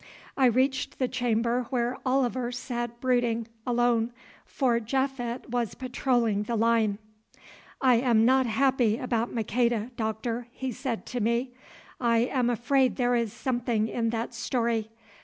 I reached the chamber where Oliver sat brooding alone, for Japhet was patrolling the line. "I am not happy about Maqueda, Doctor," he said to me. "I am afraid there is something in that story.